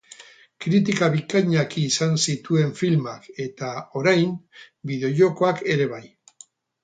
Kritika bikainak izan zituen filmak eta, orain, bideo-jokoak ere bai.